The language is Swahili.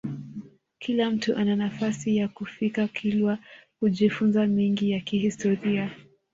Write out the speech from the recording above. Kila mtu ana nafasi ya kufika kilwa kujifunza mengi ya kihistoria